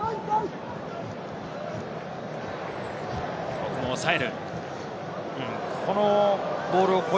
ここも抑える。